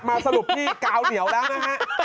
สรุปพี่กาวเหนียวแล้วนะฮะ